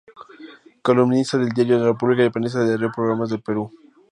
Columnista del diario La República y panelista en Radio Programas del Perú.